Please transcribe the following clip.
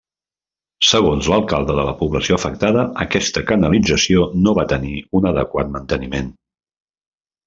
Segons l'alcalde de la població afectada aquesta canalització no va tenir un adequat manteniment.